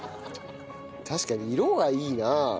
確かに色がいいな。